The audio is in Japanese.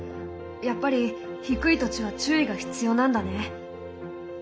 やっぱり低い土地は注意が必要なんだね。